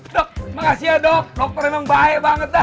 dok makasih ya dok dokter emang baik banget dah